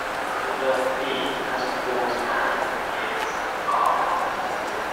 The verb "be" has the forms "am", "is", "are".